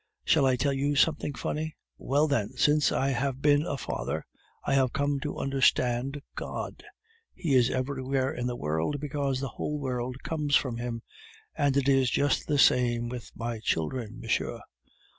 Shall I tell you something funny? Well, then, since I have been a father, I have come to understand God. He is everywhere in the world, because the whole world comes from Him. And it is just the same with my children, monsieur.